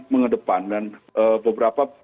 mengedepan dan beberapa